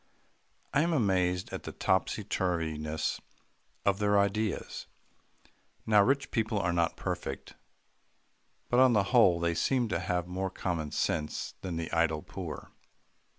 I am amazed at the topsy turviness of their ideas. Now, rich people are not perfect, but on the whole, they seem to have more common sense than the idle poor.